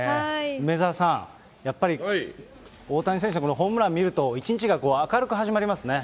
梅沢さん、やっぱり大谷選手のホームラン見ると、一日が明るく始まりますね。